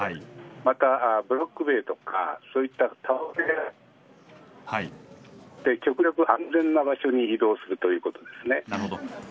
またブロック塀とかそういうところに近付かない極力、安全な場所に移動するということですね。